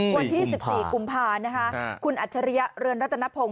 วันที่๑๔กุมภานะคะคุณอัจฉริยะเรือนรัตนพงศ